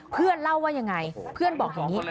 เพื่อนเล่าว่ายังไงเพื่อนบอกอย่างนี้